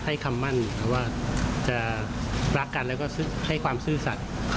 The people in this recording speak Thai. ให้คำมั่นอยู่กับว่าจะรักกันและก็ให้ความสื่อสัตย์